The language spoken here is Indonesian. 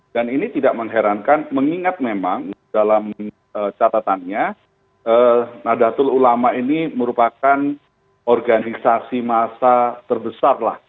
dan ini tidak mengherankan mengingat memang dalam catatannya nadatul ulama ini merupakan organisasi masa terbesarlah